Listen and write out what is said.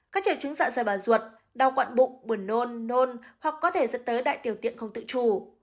các triệu chứng dạ dày và ruột đau quặn bụng buồn nôn nôn hoặc có thể dẫn tới đại tiểu tiện không tự chủ